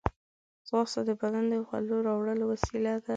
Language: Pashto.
ځغاسته د بدن د خولو راوړلو وسیله ده